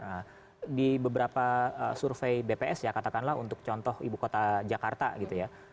nah di beberapa survei bps ya katakanlah untuk contoh ibu kota jakarta gitu ya